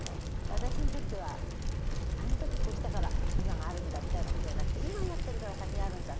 私にとってはあの時こうしたから今があるんだみたいなことじゃなくて今やってるから先があるんだ。